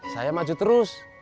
saya maju terus